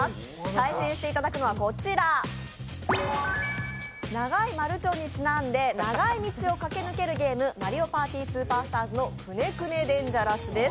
対戦していただくのはこちら、長い丸腸にちなんで、長い道を駆け抜けるゲーム「マリオパーティスーパースターズ」の「くねくねデンジャラス」です。